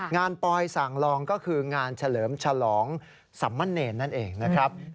ปอยสั่งลองก็คืองานเฉลิมฉลองสัมมะเนรนั่นเองนะครับ